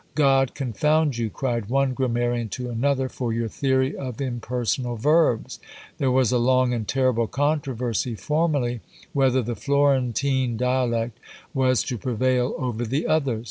"God confound you," cried one grammarian to another, "for your theory of impersonal verbs!" There was a long and terrible controversy formerly, whether the Florentine dialect was to prevail over the others.